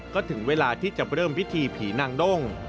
ก็ถึงเวลาที่จะเริ่มพิธีผีนางด้ง